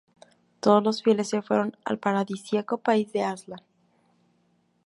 Todos los fieles se fueron al paradisíaco país de Aslan.